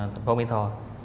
thành phố mỹ tho